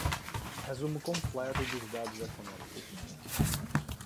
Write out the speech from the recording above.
Resumo completo dos dados econômicos.